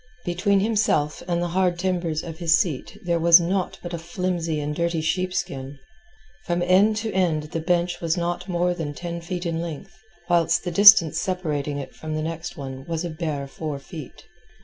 Between himself and the hard timbers of his seat there was naught but a flimsy and dirty sheepskin. From end to end the bench was not more than ten feet in length, whilst the distance separating it from the next one was a bare four feet.